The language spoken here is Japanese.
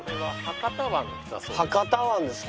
博多湾ですか。